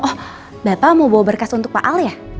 oh bapak mau bawa berkas untuk pak al ya